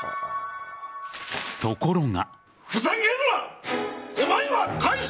ところが。